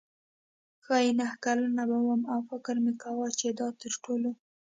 ښايي نهه کلنه به وم او فکر مې کاوه چې دا تر ټولو.